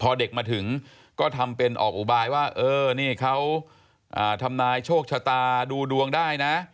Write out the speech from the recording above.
พอเด็กมาถึงก็ทำเป็นออกอุบายว่าเออนี่เขาทำนายโชคชะตาดูดวงได้นะ